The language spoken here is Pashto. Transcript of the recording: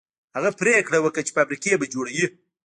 هغه پرېکړه وکړه چې فابريکې به جوړوي.